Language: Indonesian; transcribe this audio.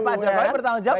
pak jokowi bertanggung jawab